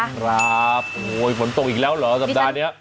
ครับโอ้ยฝนตกอีกแล้วเหรอสัปดาห์นี้